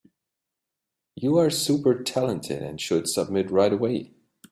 You are super talented and should submit right away.